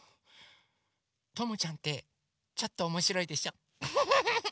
ともちゃんってちょっとおもしろいでしょフフフフ！